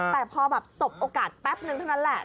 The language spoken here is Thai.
แต่พอแบบสบโอกาสแป๊บนึงเท่านั้นแหละ